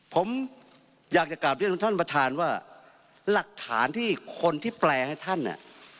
ผมอยากจะกลับเรียนท่านประธานว่าหลักฐานที่คนที่แปลให้ท่านอ่ะ